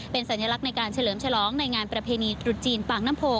เป็นสัญลักษณ์ในการเฉลิมฉลองในงานประเพณีตรุษจีนปากน้ำโพ